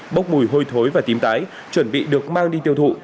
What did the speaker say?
bốc mùi hôi thối và tím tái chuẩn bị được mang đi tiêu thụ